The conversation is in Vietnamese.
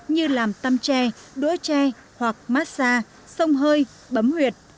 như làm tăm tre đũa tre hoặc massage sông hơi bấm huyệt